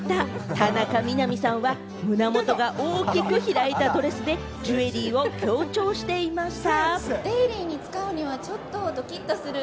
田中みな実さんは、胸元が大きく開いたドレスでジュエリーを強調していました。